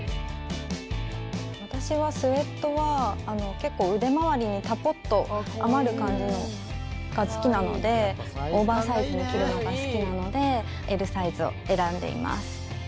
私はスウェットは結構、腕回りにたぽっと余る感じが好きなのでオーバーサイズに着るのが好きなのでＬサイズを選んでいます。